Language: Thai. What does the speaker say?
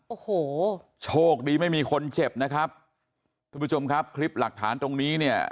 โอ้โหโชคดีไม่มีคนเจ็บนะครับทุกผู้ชมครับคลิปหลักฐานตรงนี้เนี่ย